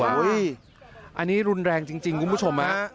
อันนี้รุนแรงจริงคุณผู้ชมฮะ